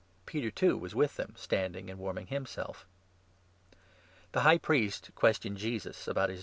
Peter, too, was with them, standing and warming himself. The High Priest questioned Jesus about his 19 Jesus